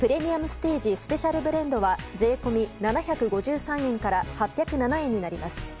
スペシャルブレンドは税込み７５３円から８０７円になります。